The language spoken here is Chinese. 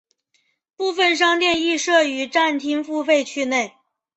部分商店亦设于站厅付费区内。